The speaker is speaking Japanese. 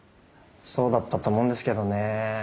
そうだったと思うんですけどね。